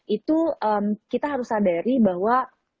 itu kita harus sadari bahwa